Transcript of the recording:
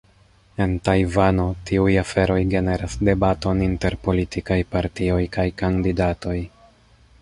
En Tajvano, tiuj aferoj generas debaton inter politikaj partioj kaj kandidatoj.